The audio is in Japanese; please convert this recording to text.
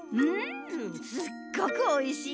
すっごくおいしいよ。